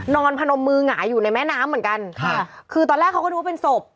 พนมมือหงายอยู่ในแม่น้ำเหมือนกันค่ะคือตอนแรกเขาก็ดูว่าเป็นศพ